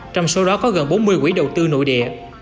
trong số đó có gần bốn mươi quỹ đầu tư nội địa